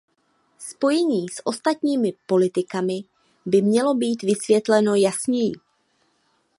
Spojení s ostatními politikami by mělo být vysvětleno jasněji.